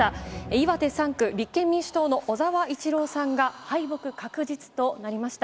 岩手３区、立憲民主党の小沢一郎さんが敗北確実となりました。